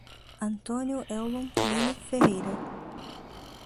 Antônio Eulon Lino Ferreira